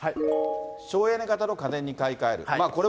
省エネ型の家電に買い替える。